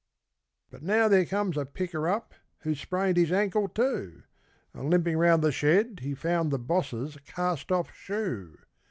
But now there comes a picker up who sprained his ankle, too, And limping round the shed he found the Boss's cast off shoe.